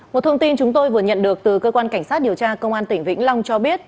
một thông tin chúng tôi vừa nhận được từ cơ quan cảnh sát điều tra công an tỉnh vĩnh long cho biết